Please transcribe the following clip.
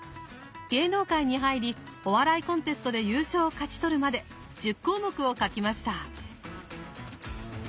芸能界に入りお笑いコンテストで優勝を勝ち取るまで１０項目を書きました。